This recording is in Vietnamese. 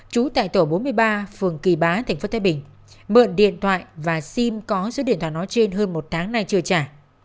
trú tại tổ bốn mươi ba phường kỳ bá tp thái bình mượn điện thoại và sim có số điện thoại nói trên hơn một tháng nay chưa trả